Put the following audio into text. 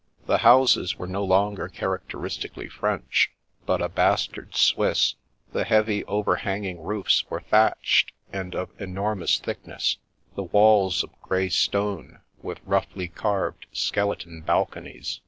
The houses were no longer characteristically French, but a bastard Swiss. The heavy, over hanging roofs were thatched, and of enormous thickness; the walls of grey stone, with roughly carved, skeleton balconies.